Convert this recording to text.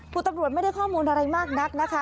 คุณตำรวจไม่ได้ข้อมูลอะไรมากนักนะคะ